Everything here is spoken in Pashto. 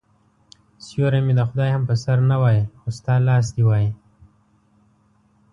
سیوری مې د خدای هم په سر نه وای خو ستا لاس دي وای